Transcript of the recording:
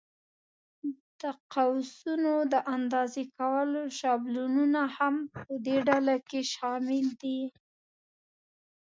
د قوسونو د اندازې کولو شابلونونه هم په دې ډله کې شامل دي.